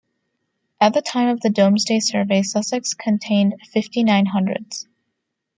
At the time of the Domesday Survey, Sussex contained fifty nine hundreds.